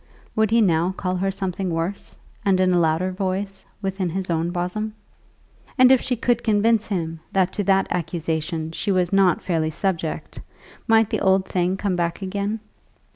Would he now call her something worse, and with a louder voice, within his own bosom? And if she could convince him that to that accusation she was not fairly subject, might the old thing come back again?